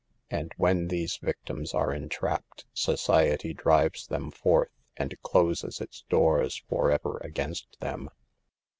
And when these victims are entrapped, society drives them forth and closes its doors forever against them.